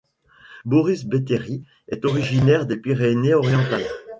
Boris Béthéry est originaire des Pyrénées-Orientales.